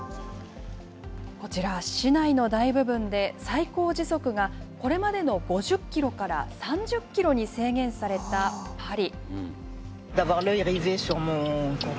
こちら、市内の大部分で最高時速がこれまでの５０キロから３０キロに制限されたパリ。